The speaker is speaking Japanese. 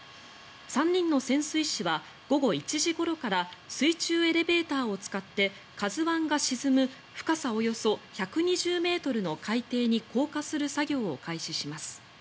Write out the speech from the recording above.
３人の潜水士は午後１時ごろから水中エレベーターを使って「ＫＡＺＵ１」が沈む深さおよそ１２０ｍの海底に降下する作業を開始します。